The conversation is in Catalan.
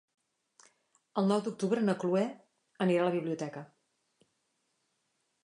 El nou d'octubre na Cloè anirà a la biblioteca.